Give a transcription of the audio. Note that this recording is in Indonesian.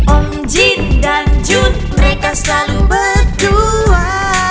om jin dan jun mereka selalu berdua